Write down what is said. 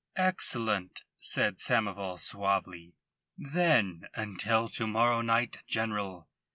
"Excellent," said Samoval suavely. "Then until to morrow night, General."